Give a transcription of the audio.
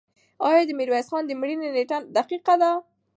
آیا د میرویس خان د مړینې نېټه دقیقه ده؟